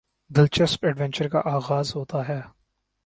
دلچسپ ایڈونچر کا آغاز ہوتا ہے